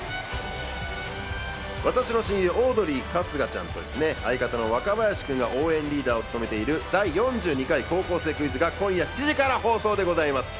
私の親友オードリー・春日ちゃんと相方の若林君が応援リーダーを務めている、『第４２回高校生クイズ』が今夜７時から放送でございます。